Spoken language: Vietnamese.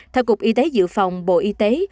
theo cục y tế dự phòng bộ y tế